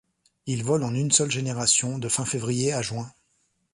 Il vole en une seule génération de fin février à juin.